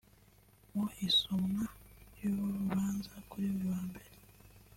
Mu isomwa ry’urubanza kuri uyu wa Mbere